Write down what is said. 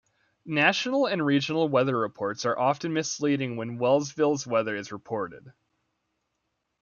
National and regional weather reports are often misleading when Wellsville's weather is reported.